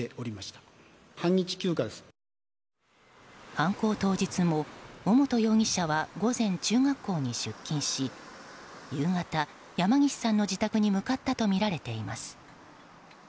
犯行当日も尾本容疑者は午前、中学校に出勤し夕方、山岸さんの自宅に向かったとみられています。